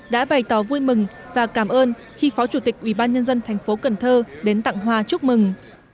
đã bày tỏ vui mừng và cảm ơn khi phó chủ tịch ubnd tp cần thơ đến tặng hoa chúc mừng